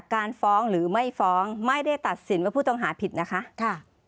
ทางฝ่องไม่ได้ตัดสินว่าผู้ต้องหาผิดนะคะ